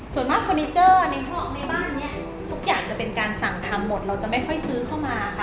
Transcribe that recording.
ส่วนมากเฟอร์นิเจอร์ในห้องในบ้านเนี่ยทุกอย่างจะเป็นการสั่งทำหมดเราจะไม่ค่อยซื้อเข้ามาค่ะ